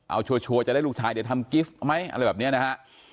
เอาชัวร์จะได้ลูกชายเดี๋ยวทำกิฟต์ไหมอะไรแบบนี้นะฮะ